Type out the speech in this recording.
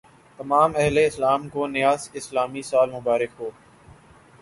تمام اہل اسلام کو نیا اسلامی سال مبارک ہو